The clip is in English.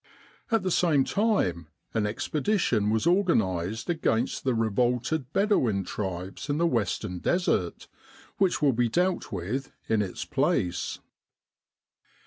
At the same time an expedition was organised against the revolted Bedouin tribes in the Western Desert, which will be dealt with in its place.